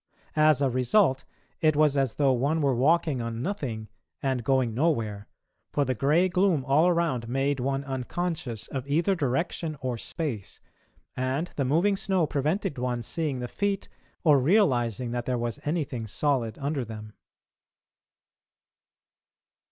As a result, it was as though one were walking on nothing and going nowhere, for the grey gloom all around made one unconscious of either direction or space, and the moving snow prevented one seeing the feet or realising that there was anything solid under them.